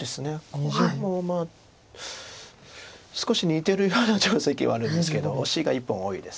これもまあ少し似てるような定石はあるんですけどオシが１本多いです。